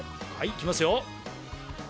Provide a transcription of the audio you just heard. いきますよ。